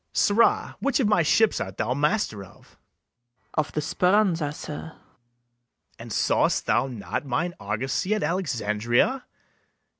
Sirrah, which of my ships art thou master of? MERCHANT. Of the Speranza, sir. BARABAS. And saw'st thou not Mine argosy at Alexandria?